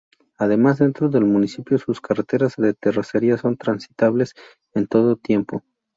Además, dentro del municipio, sus carreteras de terracería son transitables en todo tiempo.